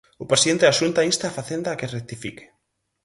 O presidente da Xunta insta a Facenda a que rectifique.